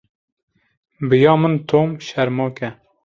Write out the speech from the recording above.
Bi ya min Tom şermok e.